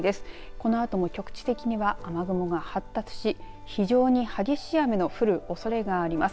このあとも局地的には雨雲が発達し非常に激しい雨の降るおそれがあります。